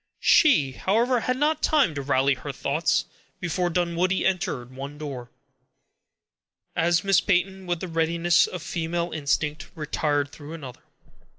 She, however, had not time to rally her thoughts, before Dunwoodie entered one door, as Miss Peyton, with the readiness of female instinct, retired through another.